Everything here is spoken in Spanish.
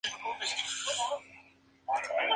Está situado en la ciudad de Nottingham, Inglaterra.